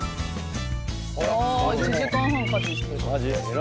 あ１時間半家事してる。